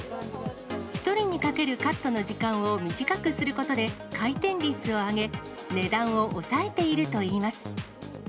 １人にかけるカットの時間を短くすることで、回転率を上げ、値段を抑えているといいます。